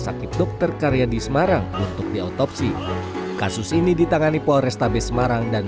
sakit dokter karyadi semarang untuk diotopsi kasus ini ditangani polrestabes semarang dan